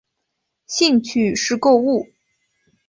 兴趣是购物。